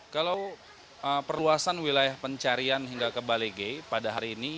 kalau perluasan wilayah pencarian hingga ke balege pada hari ini